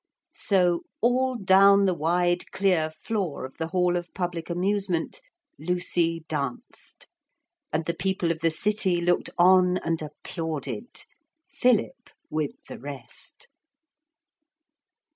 So, all down the wide clear floor of the Hall of Public Amusement, Lucy danced. And the people of the city looked on and applauded, Philip with the rest.